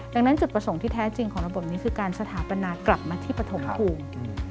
ดังนั้นจุดประสงค์ที่แท้จริงของระบบนี้คือการสถาปนากลับมาที่ปฐมภูมิ